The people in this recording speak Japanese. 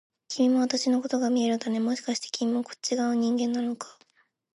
君も私のことが見えるんだね、もしかして君もこっち側の人間なのか？